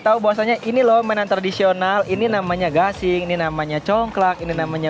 tahu bahwasannya ini loh mainan tradisional ini namanya gasing ini namanya congklak ini namanya